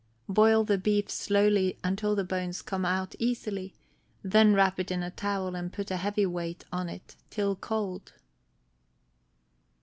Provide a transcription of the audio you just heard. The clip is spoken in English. Boil the beef slowly until the bones come out easily, then wrap it in a towel, and put a heavy weight on it till cold.